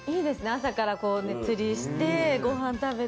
朝からこうね釣りしてごはん食べて。